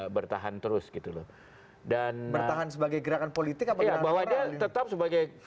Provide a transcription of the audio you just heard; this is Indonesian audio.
bertahan terus gitu loh dan bertahan sebagai gerakan politik apa ya bahwa dia tetap sebagai